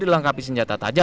mereka tidak bisa berpengalaman